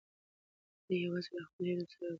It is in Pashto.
دی یوازې له خپلو هیلو سره و.